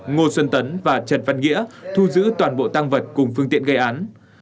ngô xuân tấn và trần văn nghĩa thu giữ toàn bộ tăng vật cùng phương tiện gây án